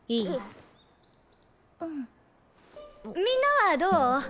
みんなはどう？